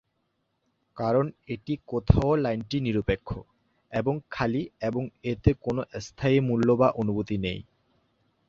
কারণ এটি কোথাও লাইনটি নিরপেক্ষ এবং খালি এবং এতে কোনও স্থায়ী মূল্য বা অনুভূতি নেই।